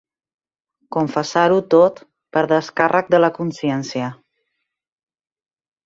Confessar-ho tot, per descàrrec de la consciència.